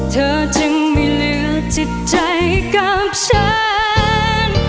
เธอจึงไม่เหลือจิตใจกับฉัน